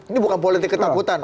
ini bukan politik ketakutan